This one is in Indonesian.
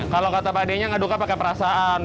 kalau kata pak d nya aduk pakai perasaan